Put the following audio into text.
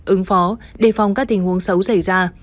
ứng phó đề phòng các tình huống xấu xảy ra